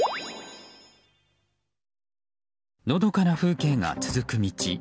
のどかな風景が続く道。